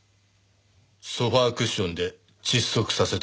ソファクッションで窒息させた？